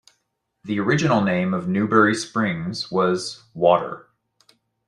The original name of Newberry Springs was "Water".